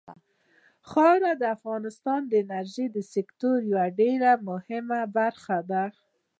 خاوره د افغانستان د انرژۍ سکتور یوه ډېره مهمه برخه ده.